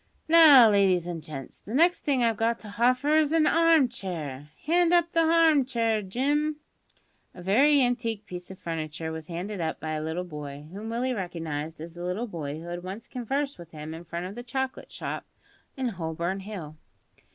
"Now, ladies an' gents, the next thing I've got to hoffer is a harm chair. Hand up the harmchair, Jim." A very antique piece of furniture was handed up by a little boy, whom Willie recognised as the little boy who had once conversed with him in front of the chocolate shop in Holborn Hill.